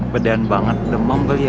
beden banget udah membel ya